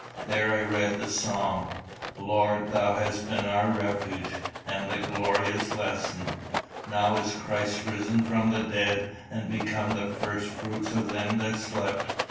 There I read the Psalm, "Lord, thou hast been our refuge," and the glorious lesson, "Now is Christ risen from the dead, and become the first fruits of them that slept."